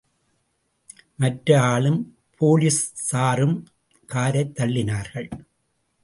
மற்ற ஆளும், போலீஸாரும் காரைத் தள்ளினார்கள்.